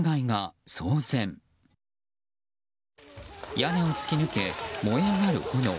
屋根を突き抜け、燃え上がる炎。